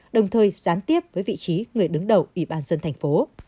đồng thời gián tiếp với vị trí người đứng đầu ủy ban dân thành phố